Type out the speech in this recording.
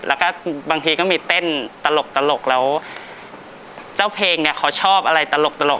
แล้วก็บางทีก็มีเต้นตลกแล้วเจ้าเพลงเนี่ยเขาชอบอะไรตลก